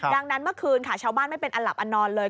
ดังนั้นเมื่อคืนค่ะชาวบ้านไม่เป็นอันหลับอันนอนเลย